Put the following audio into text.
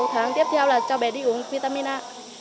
sáu tháng tiếp theo là cho bé đi uống vitamin a